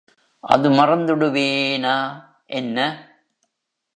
அது மறந்துடுவேனா என்ன?